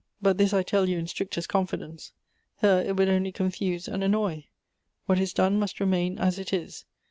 But this I tell you in strictest confidence. Her it would only confuse and an noy. What is done must remain as it is.